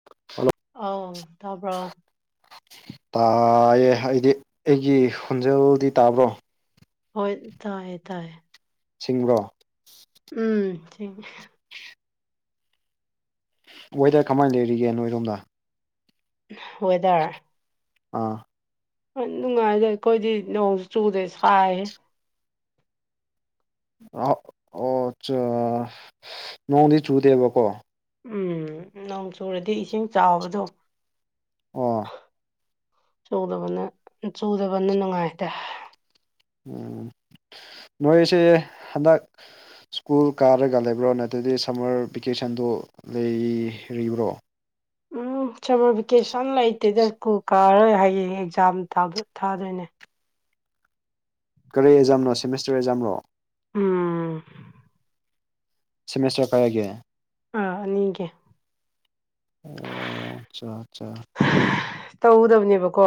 [inaudible] ꯑꯥꯎ ꯇꯥꯕ꯭ꯔꯣ ꯇꯥꯏꯌꯦ ꯑꯩꯗꯤ ꯑꯩꯒꯤ ꯈꯣꯟꯖꯦꯜꯗꯤ ꯇꯥꯕ꯭ꯔꯣ ꯍꯣꯏ ꯇꯥꯏꯌꯦ ꯇꯥꯏꯌꯦ ꯁꯤꯡꯕ꯭ꯔꯣ ꯎꯝ ꯊꯤꯡꯉꯦ ꯋꯦꯗꯔ ꯀꯃꯥꯏꯅ ꯂꯩꯔꯤꯒꯦ ꯅꯣꯏꯔꯣꯝꯗ ꯋꯦꯗꯔ ꯑꯥ ꯌꯥꯝ ꯅꯨꯡꯉꯥꯏꯔꯦ ꯑꯩꯈꯣꯏꯗꯤ ꯅꯣꯡꯁꯨ ꯆꯨꯗꯦ ꯁꯥꯏꯍꯦ ꯑ ꯑꯣ ꯆ ꯅꯣꯡꯗꯤ ꯆꯨꯗꯦꯕꯀꯣ ꯎꯝ ꯅꯣꯡ ꯆꯨꯔꯗꯤ ꯏꯁꯤꯡ ꯆꯥꯎꯕꯗꯣ ꯑꯣ ꯆꯨꯗꯕꯅ ꯆꯨꯗꯕꯅ ꯅꯨꯡꯉꯥꯏꯇꯦ ꯎꯝ ꯅꯣꯏꯁꯦ ꯍꯟꯗꯛ ꯁ꯭ꯀꯨꯜ ꯀꯥꯔꯒ ꯂꯩꯕ꯭ꯔꯣ ꯅꯠꯇ꯭ꯔꯗꯤ ꯁꯝꯃꯔ ꯚꯦꯀꯦꯁꯟꯗꯨ ꯂꯩꯔꯤꯕ꯭ꯔꯣ ꯎꯝ ꯁꯝꯃꯔ ꯚꯦꯀꯦꯁꯟ ꯂꯩꯇꯦꯗ ꯁ꯭ꯀꯨꯜ ꯀꯥꯔꯔꯣꯏ ꯍꯌꯦꯡ ꯑꯦꯛꯖꯥꯝ ꯊꯥꯗꫭ ꯊꯥꯗꯣꯏꯅꯦ ꯀꯔꯤ ꯑꯦꯛꯖꯥꯝꯅꯣ ꯁꯦꯃꯤꯁꯇꯔ ꯑꯦꯛꯖꯥꯝꯔꫭ ꯎꯝ ꯁꯦꯃꯤꯁꯇꯔ ꯀꯌꯥꯒꯤ ꯑ ꯑꯅꯤꯒꯤ ꯑꯣ ꯑꯆꯥ ꯑꯠꯆꯥ ꯇꯧꯒꯗꯕꯅꯦꯕꯀꯣ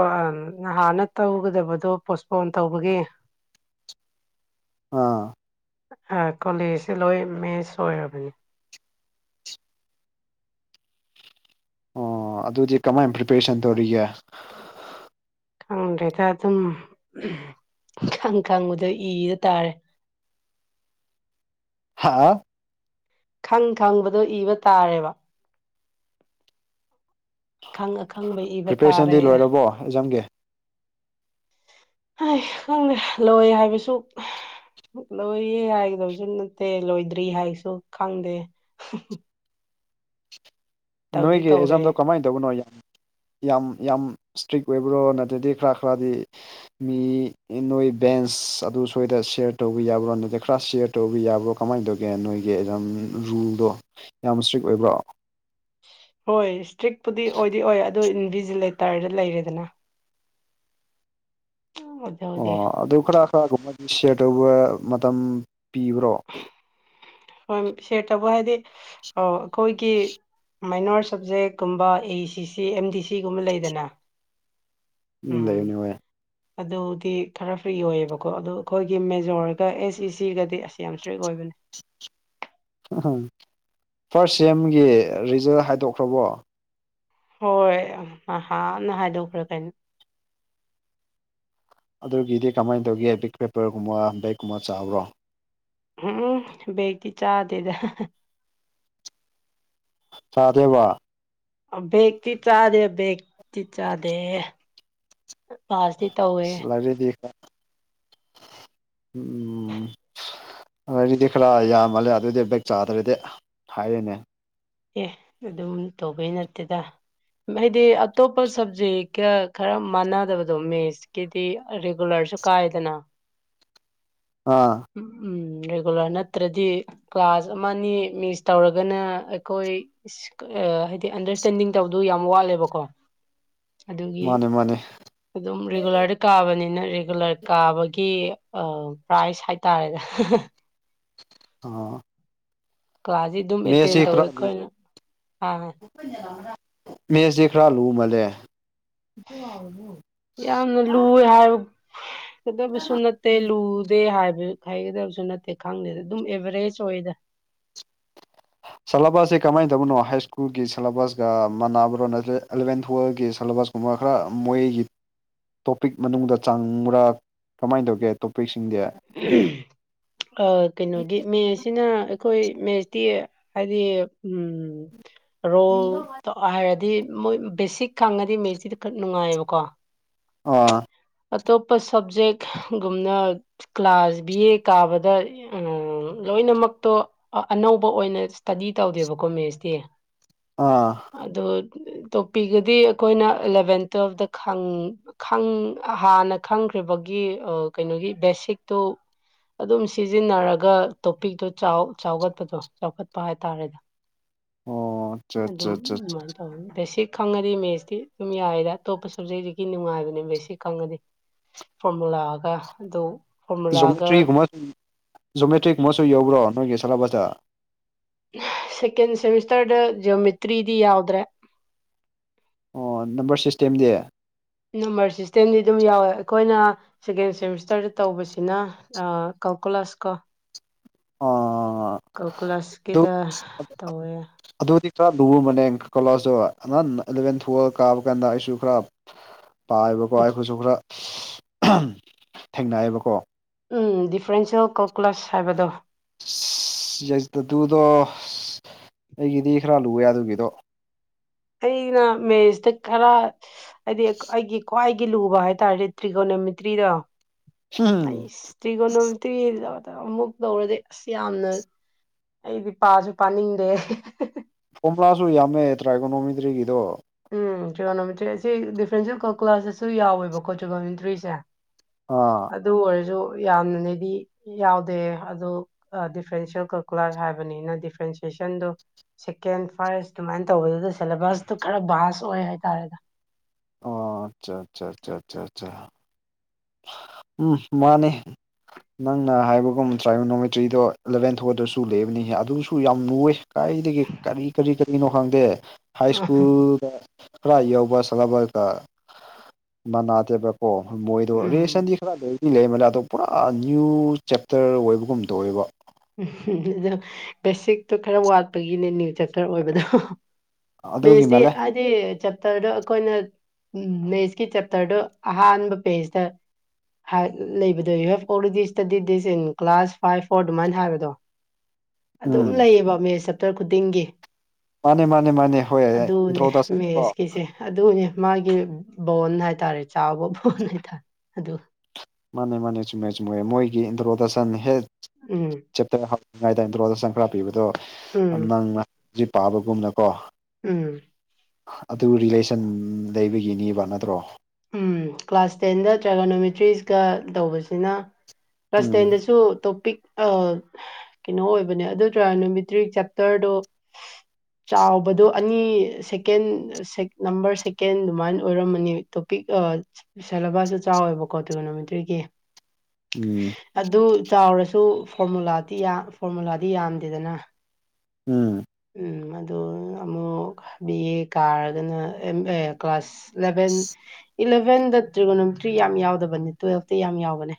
ꯉꯥꯍꯥꯟꯅ ꯇꯧꯒꯗꯕꯗꯣ ꯄꯣꯁꯄꯣꯟ ꯇꯧꯕꯒꯤ ꯑꯥ ꯑ ꯀꯣꯂꯦꯖꯁꯦ ꯂꯣꯏ ꯃꯦꯁ ꯂꫭꯏꯔꯕꯅꯤ ꯑꯣ ꯑꯗꯨꯗꯤ ꯀꯃꯥꯏꯅ ꯄ꯭ꯔꯤꯄꯦꯔꯦꯁꯟ ꯇꯧꯔꯤꯒꯦ ꯈꯪꯗ꯭ꯔꯦꯗ ꯑꯗꯨꯝ ꯈꯪ ꯈꯪꯕꯗꫭ ꯏꯔ ꯇꯥꯔꯦ ꯍꯥꯥꯎ ꯈꯪ ꯈꯪꯕꯗꯣ ꯏꯕ ꯇꯥꯔꯦꯕ ꯈꯪ ꯑꯈꯪꯕꯩ ꯄ꯭ꯔꯤꯄꯦꯔꯦꯁꯟꯗꯤ ꯂꯣꯏꯔꯕꯣ ꯑꯦꯛꯖꯝꯒꯤ ꯍꯥꯏ ꯈꯪꯗꯦ ꯂꯣꯏ ꯍꯥꯏꯕꯁꯨ ꯂꯣꯏꯌꯦ ꯍꯥꯏꯒꯗꯕꯁꯨ ꯅꯠꯇꯦ ꯂꯣꯏꯗ꯭ꯔꯤ ꯍꯥꯏꯁꯨ ꯈꯪꯗꯦ ꯇꯧꯗꯤ ꯅꯣꯏꯒꯤ ꯇꯧꯔꯦ ꯑꯦꯖꯥꯝꯗꯣ ꯀꯃꯥꯏ ꯇꯧꯕꯅꯣ ꯌꯥꯝ ꯌꯥꯝ ꯏꯁꯇ꯭ꯔꯤꯛ ꯑꯣꯏꯕ꯭ꯔꯣ ꯅꯠꯇ꯭ꯔꯗꯤ ꯈꯔ ꯈꯔꯗꯤ ꯃꯤ ꯅꯣꯏ ꯕꯦꯟꯁ ꯑꯗꯨ ꯁꯣꯏꯗ ꯁꯤꯌꯔ ꯇꯧꯕ ꯌꯥꯕ꯭ꯔꯣ ꯅꯠꯇ ꯈꯔ ꯁꯤꯌꯔ ꯇꯧꯕ ꯌꯥꯕ꯭ꯔꯣ ꯀꯃꯥꯏꯅ ꯇꯧꯒꯦ ꯅꯣꯏꯒꯤ ꯑꯦꯛꯖꯥꯝ ꯔꯨꯜꯗꯣ ꯌꯥꯝ ꯏꯁꯇ꯭ꯔꯤꯛ ꯑꯣꯏꯕ꯭ꯔꯣ ꯍꯣꯏ ꯏꯁꯇ꯭ꯔꯤꯛꯄꯨꯗꯤ ꯑꯣꯏꯗꯤ ꯑꯣꯏ ꯑꯗꫭ ꯏꯟꯚꯤꯖꯤꯂꯦꯇꯔꯗ ꯂꯩꯔꯦꯗꯅ [inaudible] ꯑꯣ ꯑꯗꫭ ꯈꯔ ꯈꯔꯒꯨꯝꯕꯗꯤ ꯁꯤꯌꯔ ꯇꯧꯕꯔ ꯃꯇꯝ ꯄꯤꯕ꯭ꯔꯣ ꯍꯣꯏ ꯁꯦꯌ꯭ꯔ ꯇꯧꯕ ꯍꯥꯏꯗꯤ ꯑ ꯑꯩꯈꯣꯏꯒꯤ ꯃꯥꯏꯅꯣꯔ ꯁꯕꯖꯦꯛꯀꯨꯝꯕ ꯑꯦ ꯁꯤ ꯁꯤ ꯑꯦꯝ ꯗꯤ ꯁꯤꯒꯨꯝꯕ ꯂꯩꯗꯅ ꯎꯝ ꯂꯩꯕꯅꯦ ꯍꫭꯏ ꯑꯗꯨꯗꯤ ꯈꯔ ꯐ꯭ꯔꯤ ꯑꯣꯏꯌꯦꯕꯀꯣ ꯑꯗꯨ ꯑꯩꯈꯣꯏꯒꯤ ꯃꯦꯖꯣꯔꯒ ꯑꯦꯁ ꯁꯤ ꯁꯤꯒꯗꯤ ꯑꯁ ꯌꯥꯝ ꯏꯁꯇ꯭ꯔꯤꯛ ꯑꯣꯏꯕꯅꯦ ꯎ ꯐꯥꯔꯁ ꯁꯦꯝꯒꯤ ꯔꯤꯖꯜ ꯍꯥꯏꯗꯣꯛꯈ꯭ꯔꯕꯣ ꯍꯣꯏ ꯅꯥꯟꯅ ꯍꯥꯏꯗꯣꯛꯈ꯭ꯔꯦ ꯀꯩꯅꯣ ꯑꯗꯨꯒꯤꯗꯤ ꯀꯃꯥꯏꯅ ꯇꯧꯒꯦ ꯕꯤꯛ ꯄꯦꯄꯔꯒꯨꯝꯕ ꯕꯦꯛꯀꯨꯝꯕ ꯆꯥꯕ꯭ꯔꯣ ꯍꯝ ꯎꯝ ꯕꯦꯒꯇꯤ ꯆꯥꯗꯦꯗ ꯆꯥꯗꯦꯕ ꯕꯦꯛꯇꯤ ꯆꯥꯗꯦ ꯕꯦꯛꯇꯤ ꯆꯥꯗꯦ ꯀ꯭ꯂꯥꯁꯇꯤ ꯇꯧ ꯂꯔꯦꯗꯤ ꯎꯝ ꯑꯗꯨꯗꯤ ꯈꯔ ꯌꯥꯝꯃꯜꯂꯦ ꯑꯗꯨꯑꯣꯏꯗꯤ ꯕꯦꯛ ꯆꯥꯗ꯭ꯔꯗꯤ ꯍꯥꯏꯔꯦꯅꯦ ꯑꯦ ꯑꯗꯨꯝ ꯇꯧꯕꯩ ꯅꯠꯇꯦꯗ ꯍꯥꯏꯗꯤ ꯑꯇꯣꯞꯄ ꯁꯕꯖꯦꯛꯀ ꯈꯔ ꯃꯥꯟꯅꯗꯕꯗꯣ ꯃꯦꯠꯁ ꯀꯤꯗꯤ ꯔꯤꯒꯨꯂꯔꯁꯨ ꯀꯥꯏꯗꯅ ꯑꯥ ꯎ ꯎꯝ ꯔꯤꯒꯨꯂꯔ ꯅꯠꯇ꯭ꯔꯗꯤ ꯀ꯭ꯂꯥꯁ ꯑꯃ ꯅꯤ ꯃꯤꯁ ꯇꯧꯔꯒꯅ ꯑꯩꯈꯣꯏ ꯍꯥꯏꯗꯤ ꯑꯟꯗꯔꯁꯇꯦꯟꯗꯤꯡ ꯇꯧꯕꯗꯨꯣ ꯌꯥꯝ ꯋꯥꯠꯂꯦꯕꯀꯣ ꯑꯗꯨꯒꯤ ꯃꯥꯅꯦ ꯃꯥꯅꯦ ꯑꯗꯨꯝ ꯔꯤꯒꯨꯂꯔꯗ ꯀꯥꯕꯅꯤꯅ ꯔꯤꯒꯨꯂꯔ ꯀꯥꯕꯒꯤ ꯄ꯭ꯔꯥꯏꯖ ꯇꯥꯔꯦꯗ ꯑ ꯀꯥꯖꯤ ꯃꯦꯁ [unintelligible] ꯃꯦꯁ ꯈꯔ ꯂꯨꯃꯜꯂꯦ ꯌꯥꯝꯅ ꯂꯨ ꯍꯥꯏꯕ ꯀꯗꯕꯁꯨ ꯅꯠꯇꯦ ꯂꯨꯗꯦ ꯍꯥꯏꯕ ꯍꯥꯏꯒꯗꯕꯁꯨ ꯅꯠꯇꯦ ꯈꯪꯗꯦꯗ ꯑꯗꯨꯝ ꯑꯦꯚ꯭ꯔꯦꯖ ꯑꯣꯏꯗ ꯁꯂꯦꯕꯁꯦ ꯀꯃꯥꯏꯅ ꯇꯕꯅꯣ ꯍꯥꯏ ꯁ꯭ꯀꯨꯜꯒꯤ ꯁꯦꯂꯦꯕꯁꯀꯒ ꯃꯥꯟꯅꯕ꯭ꯔꯣ ꯑꯦꯂꯚꯦꯟ ꯇꯨꯋꯦꯜꯒꯤ ꯁꯦꯂꯦꯕꯁꯀ ꯃꯈꯥ ꯃꯣꯏꯒꯤ ꯇꯣꯄꯤꯛ ꯃꯅꯨꯡꯗ ꯆꯥꯡꯕ꯭ꯔꯥ ꯀꯃꯥꯏꯅ ꯇꯧꯒꯦ ꯇꯣꯄꯤꯛꯁꯤꯡꯗꯤ ꯑ ꯀꯩꯅꯣꯒꯤ ꯃꯦꯁꯁꯤꯅ ꯑꯩꯈꯣꯏ ꯃꯦꯁꯇꯤ ꯍꯥꯏꯗꯤ ꯎꯝ ꯔꯣꯜ ꯇ [unintelligible] ꯃꯣꯏ ꯕꯦꯁꯤꯛ ꯈꯪꯉꯗꯤ ꯃꯦꯁꯇꯤꯗ ꯈꯔ ꯅꯨꯡꯉꯥꯏꯌꯦꯕꯀꯣ ꯑ ꯑꯇꯣꯞꯄ ꯁ꯭ꯕꯖꯦꯛꯒꯨꯝꯅ ꯀ꯭ꯂꯥꯁ ꯕꯤ ꯑꯦ ꯀꯥꯕꯗ ꯎꯝ ꯂꯣꯏꯅꯃꯛꯇꯣ ꯑꯅꯧꯕ ꯑꯣꯏꯅ ꯏꯁꯇꯗꯤ ꯇꯧꯗꯦꯕꯀꯣ ꯃꯦꯠꯁꯇꯤ ꯑꯥ ꯑꯗꯣ ꯇꯣꯄꯤꯒꯗꯤ ꯑꯩꯈꯣꯏꯅ ꯑꯦꯂꯕꯦꯟ ꯇꯨꯋꯦꯜꯐꯇ ꯈꯪ ꯈꯪ ꯍꯥꯟꯅ ꯈꯪꯈ꯭ꯔꯤꯕꯒꯤ ꯀꯩꯅꯣꯒꯤ ꯕꯦꯁꯤꯛꯇꯣ ꯑꯗꯨꯝ ꯁꯤꯖꯤꯟꯅꯔꯒ ꯇꯣꯄꯤꯛꯇꯣ ꯆꯥꯎꯈꯠꯄꯗꯣ ꯆꯥꯎꯈꯠꯄ ꯍꯥꯏꯇꯥꯔꯦꯗ ꯑꯣ ꯑꯠꯆꯥ ꯑꯠꯆꯥ ꯑꯗꯨꯝ ꯑꯠꯆꯥ ꯑꯗꯨꯃꯥꯏꯅ ꯇꯧꯔ ꯕꯦꯁꯤꯛ ꯈꯪꯉꯗꯤ ꯃꯦꯠꯁꯇꯤ ꯑꯗꯨꯝ ꯌꯥꯏꯗ ꯑꯇꯣꯞꯄ ꯁ꯭ꯕꯖꯦꯛꯇꯒꯤ ꯅꯨꯡꯉꯥꯏꯕꯅꯦ ꯕꯦꯁꯤꯛ ꯈꯪꯉꯗꯤ ꯐꯣꯔꯃꯨꯂꯥꯑꯒ ꯑꯗꯨ ꯐꯣꯔꯃꯨꯂꯥꯒ ꯖꯣꯃꯦꯇ꯭ꯔꯤꯒꯨꯝꯕ ꯖꯣꯃꯦꯇ꯭ꯔꯤꯒꯨꯝꯕꯁꯨ ꯌꯧꯕ꯭ꯔꯣ ꯅꯣꯏꯒꯤ ꯁꯦꯂꯦꯕ꯭ꯁꯇ ꯁꯦꯀꯦꯟ ꯁꯦꯃꯤꯁꯇꯔꯗ ꯖꯤꯌꯣꯃꯤꯇ꯭ꯔꯤꯗꯤ ꯌꯥꯎꯗ꯭ꯔꯦ ꯑꯣ ꯅꯝꯕꯔ ꯁꯤꯁꯇꯦꯝꯗꯤ ꯅꯝꯕꯔ ꯁꯤꯁꯇꯦꯝꯗꯤ ꯑꯗꯨꯝ ꯌꯥꯎꯋꯦ ꯑꯩꯈꯣꯏꯅ ꯁꯦꯀꯦꯟ ꯁꯦꯃꯤꯁꯇꯔꯗ ꯇꯧꯕꯁꯤꯅ ꯀꯜꯀꯨꯂꯥꯁ ꯀꯣ ꯑꯗꯨ ꯀꯜꯀꯨꯂꯥꯁꯀꯤꯗ ꯇꯧꯋꯦ ꯑꯗꯨꯗꯤ ꯈꯔ ꯂꯨꯨꯕꯅꯦ ꯀꯣꯂꯥꯁꯁꯨ ꯅꯍꯥꯟ ꯑꯦꯂꯚꯦꯟ ꯇꯨꯋꯜꯕ ꯀꯥꯕ ꯀꯥꯟꯗ ꯑꯩꯁꯨ ꯈꯔ ꯄꯥꯏꯕꯀꯣ ꯑꯩꯈꯣꯏꯁꯨ ꯈꯔ ꯊꯦꯡꯅꯌꯦꯕꯀꯣ ꯑꯨꯝ ꯗꯤꯐ꯭ꯔꯦꯟꯁꯤꯌꯦꯜ ꯀꯣꯀ꯭ꯂꯁ ꯍꯥꯏꯕꯗꯣ [unintelligible] ꯑꯩꯒꯤꯗꯤ ꯈꯔ ꯂꯨꯔꯦ ꯑꯗꯨꯒꯤꯗꯣ ꯑꯩꯅ ꯃꯦꯁꯇ ꯈꯔ ꯍꯥꯏꯗꯤ ꯑꯩꯒꯤ ꯈ꯭ꯋꯥꯏꯒꯤ ꯂꯨꯕ ꯍꯥꯏꯇꯥꯔꯗꯤ ꯇ꯭ꯔꯤꯒꯣꯅꯣꯃꯤꯇ꯭ꯔꯤꯗꯣ ꯍꯥꯢ ꯏꯁꯇ꯭ꯔꯤꯒꯣꯅꯣꯇ꯭ꯔꯤꯗ ꯑꯃꯨꯛ ꯇꯧꯔꯗꯤ ꯑꯁ ꯌꯥꯝꯅ ꯑꯩꯗꯤ ꯄꯥꯁꯨ ꯄꯥꯅꯤꯡꯗꯦ ꯐꯣꯝꯂꯥꯁꯨ ꯌꯥꯝꯃꯦ ꯇ꯭ꯔꯥꯏꯀꯣꯅꯣꯃꯤꯗ꯭ꯔꯤꯒꯤꯗꯣ ꯎꯝ ꯖꯤꯌꯣꯅꯣꯃꯤꯇ꯭ꯔꯤ ꯑꯁꯤ ꯗꯤꯐ꯭ꯔꯦꯟꯦꯜ ꯀꯜꯀꯨꯂ꯭ꯁꯇꯁꯨ ꯌꯥꯎꯋꯦꯕꯀꯣ ꯇꯤꯌꯣꯅꯣꯃꯤꯇ꯭ꯔꯤꯁꯦ ꯑ ꯑꯗꯨ ꯑꯣꯏꯔꯁꯨ ꯌꯥꯝꯅꯅꯦꯗꯤ ꯌꯥꯎꯗꯦ ꯑꯗꯨ ꯗꯤꯐ꯭ꯔꯦꯟꯁꯤꯦꯜ ꯀꯜꯀꯨꯂꯔ ꯍꯥꯏꯕꯅꯤꯅ ꯗꯤꯐ꯭ꯔꯦꯟꯁꯤꯌꯦꯁꯟꯗꯣ ꯁꯦꯀꯦꯟ ꯐꯥꯔꯁ ꯑꯗꯨꯃꯥꯏꯅ ꯇꯧꯕꯗꯨꯗ ꯁꯦꯂꯦꯕꯁꯇꯨ ꯈꯔ ꯚꯥꯁ ꯑꯣꯏ ꯍꯥꯏꯇꯥꯔꯦꯗ ꯑꯣ ꯑꯆꯥ ꯆꯥ ꯆꯥ ꯆꯥ ꯆꯥ ꯎꯝ ꯃꯥꯅꯦ ꯅꯪꯅ ꯍꯥꯏꯕꯒꯨꯝ ꯇ꯭ꯔꯥꯏꯒꯣꯅꯣꯃꯦꯇ꯭ꯔꯤꯗꯣ ꯑꯦꯂꯚꯦꯟ ꯊꯣꯛꯗꯁꯨ ꯂꯩꯕꯅꯤ ꯑꯗꯨꯁꯨ ꯌꯥꯝ ꯂꯨꯋꯦ ꯀꯥꯏꯗꯒꯤ ꯀꯔꯤ ꯀꯔꯤꯗꯅꯣ ꯈꯪꯗꯦ ꯍꯥꯏꯁ ꯁ꯭ꯀꯨꯜꯗ ꯈꯔ ꯌꯧꯕ ꯁꯥꯂꯕꯔꯒ ꯃꯟꯅꯥꯗꯦꯕꯀꯣ ꯃꯣꯏ ꯑꯗꯣ ꯎꯝ ꯔꯤꯂꯦꯁꯟꯗꯤ ꯈꯔ ꯂꯩꯗꯤ ꯂꯩꯕꯅꯦ ꯑꯗꯣ ꯄꯨꯔꯥ ꯅ꯭ꯌꯨ ꯆꯦꯞꯇꯔ ꯑꯣꯏꯕꯒꯨꯝꯗ ꯇꯧꯋꯦꯕ ꯎꯝ ꯑꯗꯣ ꯕꯦꯁꯤꯛꯇꯣ ꯈꯔ ꯋꯥꯠꯄꯒꯤꯅꯦ ꯅ꯭ꯌꯨ ꯆꯦꯞꯇꯔ ꯑꯣꯏꯕꯗꯣ ꯑꯗꯨꯒꯤ ꯃꯦꯁꯗꯤ ꯃꯥꯜꯂꯦ ꯑꯥꯏꯠ ꯁꯤ ꯆꯦꯞꯇꯔꯗꯣ ꯑꯩꯈꯣꯏꯅ ꯃꯦꯠꯁꯀꯤ ꯆꯦꯞꯇꯔꯗꯣ ꯑꯍꯥꯟꯕ ꯄꯦꯖꯇ ꯂꯩꯕꯗꯣ you have already studied this in class five fort ꯑꯗꯨꯃꯥꯏꯅ ꯍꯥꯏꯕꯗꯣ ꯑꯗꯨꯝ ꯎꯝ ꯂꯩꯌꯦꯕ ꯃꯦꯁ ꯆꯦꯞꯇꯔ ꯈꯨꯗꯤꯡꯒꯤ ꯃꯥꯅꯦ ꯃꯥꯅꯦ ꯃꯥꯅꯦ ꯍꯣꯏ ꯑꯗꯨꯅꯦ ꯏꯟꯇ꯭ꯔꯣꯗꯛꯁꯟꯀꯣ ꯃꯦꯁꯀꯤꯁꯦ ꯑꯗꯨꯅꯦ ꯃꯥꯒꯤ ꯕꯣꯟ ꯍꯥꯏꯇꯥꯔꯦ ꯆꯥꯎꯕ ꯕꯣꯟ ꯍꯥꯏꯇꯥꯔꯦ ꯑꯗꯨ ꯃꯥꯅꯦ ꯃꯥꯅꯦ ꯆꯨꯝꯃꯦ ꯆꯨꯨꯝꯃꯦ ꯃꯣꯏꯒꯤ ꯏꯟꯗ꯭ꯔꯣꯗꯁꯟ ꯍꯦꯛ ꯎꯝ ꯆꯦꯞꯇꯔ ꯍꯞꯄꯤꯉꯩꯗ ꯏꯟꯇ꯭ꯔꯣꯗ ꯁꯪ ꯈꯔ ꯄꯤꯕꯗꯣ ꯎꯝ ꯅꯪꯅ ꯍꯧꯖꯤꯛ ꯄꯥꯕꯒꯨꯝꯅꯀꯣ ꯎꯝ ꯑꯗꯨ ꯔꯤꯂꯦꯁꯟ ꯂꯩꯕꯒꯤꯅꯦꯕ ꯅꯠꯇ꯭ꯔꯣ ꯎꯝ ꯀ꯭ꯂꯥꯁ ꯇꯦꯟꯗ ꯇ꯭ꯔꯦꯒꯣꯅꯣꯃꯤꯇ꯭ꯔꯤꯁꯀ ꯇꯧꯕꯁꯤꯅ ꯀ꯭ꯂꯥꯁ ꯎꯝ ꯇꯦꯟꯗꯁꯨ ꯇꯣꯞꯄꯤꯛ ꯑꯧ ꯀꯩꯅꯣ ꯑꯣꯏꯕꯅꯦ ꯑꯗꯨ ꯇ꯭ꯔꯥꯒꯣꯅꯣꯃꯤꯇ꯭ꯔꯤꯛ ꯆꯦꯞꯇꯔꯗꯣ ꯆꯥꯎꯕꯗꯣ ꯑꯅꯤ ꯁꯦꯀꯦꯟ ꯅꯝꯕꯔ ꯁꯦꯀꯦꯟ ꯑꯗꯨꯃꯥꯏꯅ ꯑꯣꯏꯔꯝꯃꯅꯤ ꯇꯣꯄꯤꯛ ꯑꯥ ꯁꯦꯂꯦꯕꯁꯇ ꯆꯥꯎꯋꯦꯕꯀꯣ ꯇꯔꯤꯒꯣꯅꯣꯃꯤꯇ꯭ꯔꯤꯒꯤ ꯎꯝ ꯑꯗꯨ ꯆꯥꯎꯔꯁꯨ ꯐꯣꯔꯃꯨꯂꯥꯗꯤ ꯌꯥꯝ ꯐꯣꯔꯃꯨꯂꯥꯗꯤ ꯌꯥꯝꯗꯦꯗꯅ ꯎꯝ ꯎꯝ ꯑꯗꯨ ꯑꯃꯨꯛ ꯕꯤ ꯑꯦ ꯀꯥꯔꯒꯅ ꯑꯝ ꯑꯦ ꯀ꯭ꯂꯥꯁ ꯏꯂꯚꯦꯟ ꯏꯂꯚꯦꯟꯗ ꯇ꯭ꯔꯤꯒꯣꯅꯣꯃꯤꯇ꯭ꯔꯤ ꯌꯥꯝ ꯌꯥꯎꯗꯕꯅꯦ ꯇꯨꯋꯦꯜꯐꯇ ꯌꯥꯝ ꯌꯥꯎꯕꯅꯦ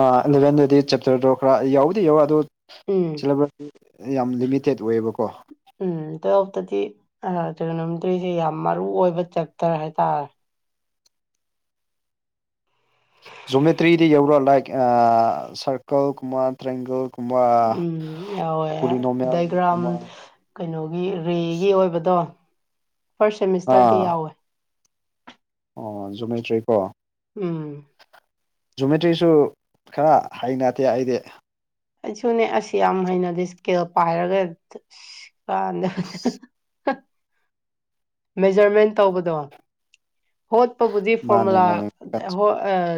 ꯑꯥ ꯑꯦꯂꯚꯦꯟꯗꯗꯤ ꯆꯦꯞꯇꯔꯗꯣ ꯈꯔ ꯌꯥꯎꯗꯤ ꯌꯥꯎꯋꯦ ꯑꯗꯣ ꯎꯝ ꯁꯦꯂꯦꯕꯁ ꯌꯥꯝ ꯂꯤꯃꯤꯇꯦꯠ ꯑꯣꯏꯌꯦꯕꯀꯣ ꯎꯝ ꯇꯨꯋꯦꯜꯐꯇꯗꯤ ꯑꯥ ꯇ꯭ꯔꯤꯒꯣꯅꯣꯃꯤꯇꯤꯁꯦ ꯌꯥꯝ ꯃꯔꯨ ꯑꯣꯏꯕ ꯆꯦꯞꯇꯔ ꯍꯥꯏꯇꯥꯔꯦ ꯖꯣꯃꯦꯇ꯭ꯔꯤꯗꯤ ꯌꯧꯔꯣ ꯂꯥꯏꯛ ꯁꯔꯀꯜ ꯀꯨꯝꯕ ꯇ꯭ꯔꯦꯡꯒꯜ ꯎꯝ ꯌꯥꯎꯑꯦ ꯗꯥꯏꯒ꯭ꯔꯥꯝ ꯄꯣꯂꯤꯅꯣꯃꯤꯌꯦꯜꯒꯨꯝꯕ ꯀꯩꯅꯣꯒꯤ ꯔꯦꯒꯤ ꯑꯣꯏꯕꯗꯣ ꯐꯥꯔꯁ ꯁꯦꯃꯤꯁꯇꯔꯗꯤ ꯑꯥ ꯌꯥꯎꯋꯦ ꯑꯣ ꯖꯨꯃꯦꯇ꯭ꯔꯤꯀꯣ ꯎꯝ ꯖꯨꯃꯦꯇ꯭ꯔꯤꯁꯨ ꯈꯔ ꯍꯩꯅꯗꯦ ꯑꯩꯗꯤ ꯑꯩꯁꯨꯅꯦ ꯑꯁ ꯌꯥꯝ ꯍꯩꯅꯗꯦ ꯏꯁꯀꯦꯜ ꯄꯥꯏꯔꯒ ꯀꯥꯟꯗ ꯃꯦꯖꯔꯃꯦꯟ ꯇꯧꯕꯗꯣ ꯍꯣꯠꯄꯕꯨꯗꯤ ꯃꯥꯅꯦ ꯐꯣꯔꯃꯨꯂꯥ ꯃꯥꯅꯦ ꯍꯣꯠ ꯑꯥ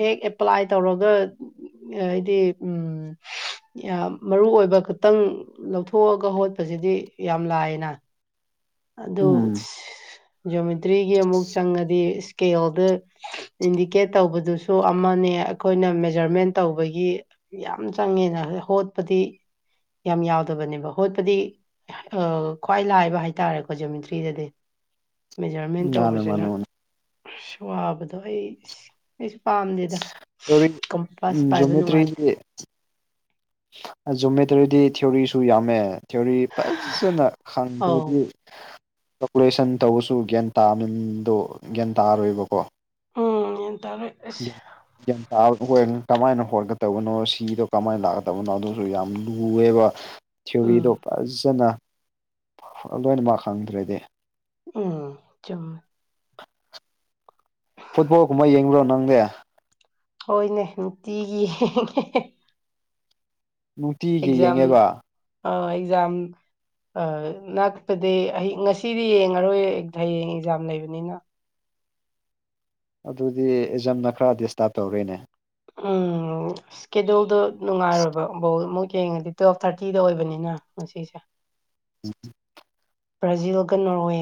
ꯍꯦꯛ ꯑꯦꯄ꯭ꯂꯥꯏ ꯇꯧꯔꯒ ꯍꯥꯏꯗꯤ ꯎꯝ ꯌꯥꯝ ꯃꯔꯨ ꯑꯣꯏꯕ ꯈꯇꯪ ꯂꯧꯊꯣꯛꯑꯒ ꯍꯣꯠꯄꯁꯤꯗꯤ ꯌꯥꯝ ꯂꯥꯏꯌꯦꯅ ꯑꯗꯨ ꯎꯝ ꯖꫭꯃꯤꯇ꯭ꯔꯤꯒꯤ ꯑꯃꯨꯛ ꯆꯪꯉꯗꯤ ꯏꯁꯀꯦꯜꯗ ꯏꯟꯗꯤꯀꯦꯠ ꯇꯧꯕꯗꯨꯁꯨ ꯑꯃꯅꯦ ꯑꯩꯈꯣꯏꯅ ꯃꯦꯖꯔꯃꯦꯟ ꯇꯧꯕꯒꯤ ꯌꯥꯝ ꯆꯪꯉꯦꯅ ꯍꯣꯠꯄꯗꯤ ꯌꯥꯝ ꯌꯥꯎꯗꯕꯅꯦꯕ ꯍꯣꯠꯄꯗꯤ ꯑꯥ ꯈ꯭ꯋꯥꯏ ꯂꯥꯏꯕ ꯍꯥꯏ ꯍꯥꯏꯇꯥꯔꯦꯀꯣ ꯖꯨꯃꯤꯇ꯭ꯔꯤꯗꯗꯤ ꯃꯦꯖꯔꯃꯦꯟ ꯃꯥꯅꯦ ꯇꯧꯕꯁꯤꯅ ꯃꯥꯅꯦ ꯃꯥꯅꯦ ꯑꯩꯁ ꯋꯥꯕꯗꯣ ꯑꯩꯁ ꯑꯩꯁꯨ ꯄꯥꯝꯗꯦꯗ ꯀꯝꯄꯥꯁ ꯄꯥꯏꯕ ꯅꯨꯡꯉꯥꯏꯇꯦ ꯏꯞꯁ ꯖꯣꯃꯦꯇꯔꯤꯗꯤ ꯊꯤꯑꯣꯔꯤꯁꯨ ꯌꯥꯝꯃꯦ ꯊꯤꯑꯣꯔꯤ ꯐꯖꯟꯅ ꯑꯧ ꯈꯪꯗ꯭ꯔꯗꯤ ꯀꯥꯜꯀꯨꯂꯦꯁꯟ ꯇꯧꯔꯁꯨ ꯒ꯭ꯌꯥꯟ ꯇꯥꯕ ꯃꯤꯟꯗꯣ ꯒ꯭ꯌꯥꯟ ꯇꯥꯔꯣꯏꯕꯀꯣ ꯎꯝ ꯒ꯭ꯌꯥꯟ ꯇꯥꯔꯦ ꯫ [unintelligible] ꯒ꯭ꯌꯥꯟ ꯇꯥꯔꯣꯢꯗꯨꯕ ꯑꯣꯢꯔꯒꯅ ꯀꯃꯥꯏꯅ ꯍꯣꯠꯀꯗꯧꯕꯅꯣ ꯁꯤꯗꯣ ꯀꯃꯥꯏꯅ ꯂꯥ ꯑꯗꯧꯕꯅꯣ ꯑꯗꯨꯁꯨ ꯌꯥꯝ ꯂꯨꯌꯦꯕ ꯫ ꯎꯝ ꯊꯤꯌꯣꯔꯤꯗꯣ ꯐꯖꯅ ꯂꯣꯏꯅꯃꯛ ꯍꯪꯗ꯭ꯔꯗꯤ ꯎꯝ ꯆꯨꯝꯃꯦ꯫ ꯐꯨꯠꯕꯥꯜꯂ ꯒꯨꯝꯕ ꯌꯦꯡꯕ꯭ꯔꯣ ꯅꯪꯗꯤ꯫ ꯍꯣꯏꯅꯦ ꯅꯨꯡꯇꯤꯒꯤ ꯌꯦꯡꯉꯦ꯫ ꯅꯨꯡꯇꯤꯒꯤ ꯑꯦꯛꯖꯥꯝ ꯌꯦꯡꯉꯦꯕ ꯑ ꯑꯦꯛꯖꯥꯝ꯫ ꯑ ꯅꯥꯛꯇꯗꯤ ꯑꯩ ꯉꯁꯤꯗꯤ ꯌꯦꯡꯉꯔꯣꯏ ꯍꯌꯦꯡ ꯑꯦꯛꯖꯥꯝ ꯂꯩꯕꯅꯤꯅ꯫ ꯑꯗꯨꯗꯤ ꯑꯦꯖꯥꯝꯅ ꯈꯔ ꯗꯤꯁꯇꯥꯕ ꯇꯧꯔꯦꯅꯦ꯫ ꯎꯝꯝ꯫ ꯁ꯭ꯀꯦꯗꯨꯜꯗꯣ ꯅꯨꯡꯉꯥꯏꯔꯣꯏꯕ ꯕꯣꯜ ꯑꯃꯨꯛ ꯌꯦꯡꯉꯗꯤ ꯇꯨꯋꯦꯜꯞ ꯊꯥꯔꯇꯤꯗ ꯑꯣꯏꯕꯅꯤꯅ ꯉꯁꯤꯁꯦ꯫ [inaudible] ꯕ꯭ꯔꯥꯖꯤꯜꯒ ꯅꯣꯔꯋꯦ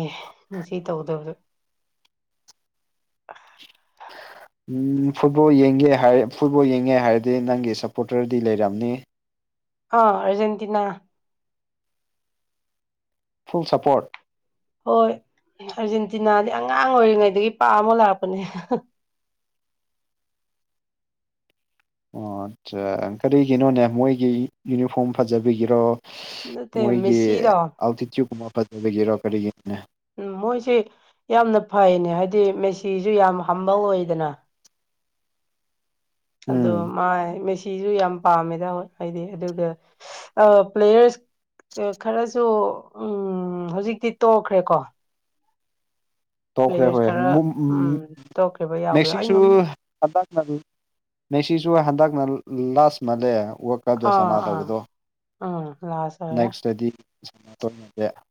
ꯉꯁꯤ ꯇꯧꯗꯕꯗ꯫ [unintelligible] ꯎꯝ ꯐꯨꯠꯕꯣꯜ ꯌꯦꯡꯒꯦ ꯍꯥꯏꯔ ꯐꯨꯠꯕꯣꯜ ꯌꯦꯡꯒꯦ ꯍꯥꯏꯔꯗꯤ ꯅꯪꯒꯤ ꯁꯞꯄꯣꯔꯇꯔꯗꯤ ꯂꯩꯔꯝꯅꯤ꯫ ꯑꯥ ꯑꯔꯖꯦꯟꯇꯤꯅꯥ꯫ Full support. ꯍꯣꯏ ꯑꯥꯔꯖꯦꯟꯇꯤꯅꯥꯗꯤ ꯑꯉꯥꯡ ꯑꯣꯏꯔꯤꯉꯩꯗꯒꯤ ꯄꯥꯝꯃ ꯂꯥꯛꯄꯅꯦ꯫ ꯑꯣ ꯑꯠꯆꯥ ꯀꯔꯤꯒꯤꯅꯣꯅꯦ ꯃꯣꯏꯒꯤ ꯌꯨꯅꯤꯐꯣꯔꯝ ꯐꯖꯕꯤꯒꯤꯔꯣ꯫ ꯅꯠꯇꯦ ꯃꯣꯏꯒꯤ ꯃꯦꯁꯤꯗꯣ ꯑꯜꯇꯤꯇ꯭ꯌꯨꯠ ꯀꯨꯝꯕ ꯐꯖꯕꯒꯤꯔꯣ ꯀꯔꯤꯒꯤꯅꯣꯅꯦ꯫ ꯎꯝ ꯃꯣꯏꯁꯤ ꯌꯥꯝꯅ ꯐꯩꯅꯦ ꯍꯥꯏꯗꯤ ꯃꯦꯁꯤꯁꯨ ꯌꯥꯝ ꯍꯝꯕꯜ ꯑꯣꯏꯗꯅ꯫ ꯑꯗꯣ ꯎꯝ ꯃꯥꯏ ꯃꯦꯁꯤꯁꯨ ꯌꯥꯝ ꯄꯥꯝꯃꯦꯗ ꯑꯩꯗꯤ ꯑꯗꯨꯒ ꯑꯥ ꯄ꯭ꯂꯦꯌꯔꯁ ꯎꯝ ꯈꯔꯁꯨ ꯎꯝ ꯍꯧꯖꯤꯛꯇꯤ ꯇꯣꯛꯈ꯭ꯔꯦꯀꯣ꯫ ꯇꯣꯛꯈ꯭ꯔꯦ ꯄ꯭ꯂꯦꯌꯔꯁ ꯍꯣꯏ ꯈꯔ ꯃꯨꯝ ꯎꯝ ꯇꯣꯛꯈ꯭ꯔꯤꯕ ꯌꯥꯎꯕꯗꯣ ꯑꯩ ꯃꯦꯁꯤꯁꯨ ꯃꯃꯤꯡ ꯍꯟꯗꯛꯅꯗꯤ ꯃꯦꯁꯤꯁꯨ ꯍꯟꯗꯛꯅ ꯂꯥꯁꯠ ꯃꯥꯜꯂꯦ ꯋꯥꯛ ꯕꯗꯥ ꯑꯥ ꯁꯅꯥ ꯑꯥ ꯇꯧꯕꯗꯣ ꯎꯝ ꯂꯥꯁ ꯑꯣꯏꯔꯦ ꯅꯦꯛꯁꯇꯗꯤ [unintelligible]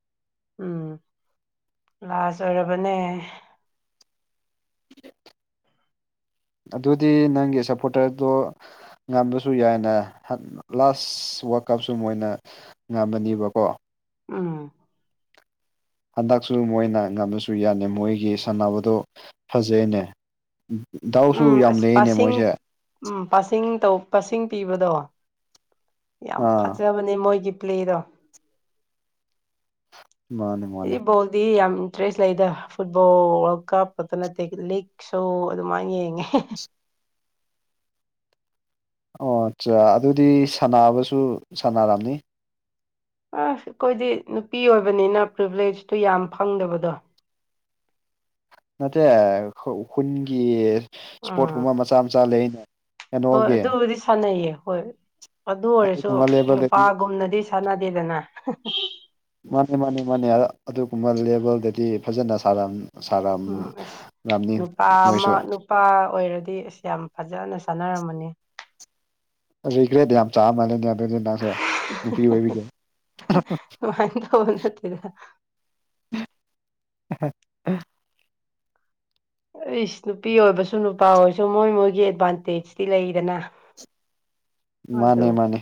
ꯎꯝ ꯂꯥꯁꯠ ꯑꯣꯏꯔꯕꯅꯦ꯫ ꯑꯗꯨꯗꯤ ꯅꯪꯒꯤ ꯁꯞꯄꯣꯔꯇꯔꯗꯣ ꯉꯝꯕꯁꯨ ꯌꯥꯏꯅ ꯍꯟ ꯂꯥꯁꯠ ꯋꯥꯔꯜꯗ ꯀꯞꯁꯨ ꯃꯣꯏꯅ ꯉꯝꯕꯅꯤꯕꯀꯣ꯫ ꯎꯝ꯫ ꯍꯟꯗꯛꯁꯨ ꯃꯣꯏꯅ ꯉꯝꯃꯁꯨ ꯌꯥꯅꯦ ꯃꯣꯏꯒꯤ ꯁꯥꯟꯅꯕꯗꯣ ꯐꯖꯩꯅꯦ꯫ ꯗꯥꯎꯁꯨ ꯎꯝ ꯌꯥꯝ ꯑꯁ ꯂꯩꯌꯦꯅꯦ ꯄꯥꯁꯤꯡ ꯃꯣꯏꯁꯦ꯫ ꯎꯝ ꯄꯥꯁꯤꯡ ꯇꯧ ꯄꯥꯁꯤꯡ ꯄꯤꯕꯗꯣ ꯌꯥꯝ ꯑꯥ ꯐꯖ ꯖꯕꯅꯦ ꯃꯣꯏꯒꯤ ꯄ꯭ꯂꯦꯗꯣ꯫ ꯃꯥꯅꯦ ꯃꯥꯅꯦ ꯑꯩ ꯕꯣꯜꯗꯤ ꯌꯥꯝ ꯏꯟꯇꯔꯦꯁ ꯂꯩꯗ ꯐꯨꯠꯕꯣꯜ ꯋꯥꯔꯜꯗ ꯀꯞ ꯈꯛꯇ ꯅꯠꯇꯦ ꯂꯤꯒꯁꯨ ꯑꯗꯨꯃꯥꯏꯅ ꯌꯦꯡꯉꯦ [unintelligible] ꯑꯣ ꯑꯠꯆꯥ ꯑꯗꯨꯗꯤ ꯁꯥꯟꯅꯕꯁꯨ ꯁꯥꯟꯅꯔꯝꯅꯤ꯫ ꯎꯡ ꯑꯩꯈꯣꯏꯗꯤ ꯅꯨꯄꯤ ꯑꯣꯏꯕꯅꯤꯅ ꯄ꯭ꯔꯤꯚꯂꯦꯖꯇꯨ ꯌꯥꯝ ꯐꯪꯗꯕꯗꯣ꯫ ꯅꯠꯇꯦ ꯈꯨ ꯈꯨꯟꯒꯤ ꯏꯁꯄꯣꯠ ꯎꯝ ꯀꯨꯝꯕ ꯃꯆꯥ ꯃꯆꯥ ꯂꯩꯅꯦ ꯍꯣꯏ ꯀꯩꯅꯣꯒꯤ ꯑꯗꯨꯕꯨꯗꯤ ꯁꯥꯟꯅꯩꯌꯦ ꯍꯣꯏ ꯑꯗꯨ ꯑꯣꯏꯔꯁꯨ ꯑꯗꯨꯒꯨꯝꯕ ꯂꯦꯕꯦꯜꯗꯗꯤ ꯅꯨꯄꯥꯒꯨꯝꯅꯗꯤ ꯁꯥꯟꯅꯥꯗꯦꯗꯅ [inaudible] ꯃꯥꯅꯦ ꯃꯥꯅꯦ ꯃꯥꯅꯦ ꯑꯗꯨꯒꯨꯝꯕ ꯂꯦꯚꯦꯜꯗꯗꯤ ꯐꯖꯅ ꯁꯥꯔꯝ ꯁꯥ ꯔꯥꯝ ꯎꯝ ꯔꯥꯝꯅꯤ ꯅꯣꯏꯁꯨ ꯄꯥ ꯑꯣꯏꯔꯗꯤ ꯑꯁ ꯌꯥꯝ ꯐꯖꯅ ꯁꯥꯟꯅꯔꯝꯃꯅꯤ ꯔꯤꯒ꯭ꯔꯦꯠ ꯌꯥꯝ ꯆꯥ ꯃꯥꯜꯂꯦꯅꯦ ꯑꯗꯨꯗꯤ ꯅꯪꯁꯦ ꯨꯅꯨꯄꯤ ꯑꯣꯏꯕꯒꯤ [unintelligible] [unintelligible] [unintelligible] ꯑꯩꯁ ꯅꯨꯄꯤ ꯑꯣꯏꯕꯁꯨ ꯅꯨꯄꯥ ꯑꯣꯏꯔꯁꯨ ꯃꯣꯏ ꯃꯣꯏꯒꯤ ꯑꯦꯗꯚꯥꯟꯇꯦꯖꯇꯤ ꯂꯩꯗꯅ ꯑꯗꯨ ꯃꯥꯅꯦ ꯃꯥꯅꯦ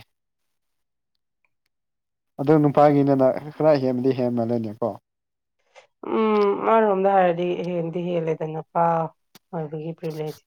ꯑꯗꯨ ꯅꯨꯄꯥꯒꯤꯅꯤꯅ ꯈꯔ ꯍꯦꯟꯗꯤ ꯍꯦꯝꯃꯜꯂꯦꯅꯦꯀꯣ ꯎꯝ ꯑꯃꯥꯔꯣꯝꯗ ꯍꯥꯏꯔꯗꯤ ꯍꯦꯟꯗꯤ ꯍꯦꯜꯂꯦꯗ ꯅꯨꯄꯥ ꯑꯣꯏꯕꯒꯤ ꯄ꯭ꯔꯤꯚꯂꯦꯖ